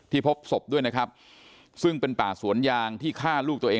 พบศพด้วยนะครับซึ่งเป็นป่าสวนยางที่ฆ่าลูกตัวเอง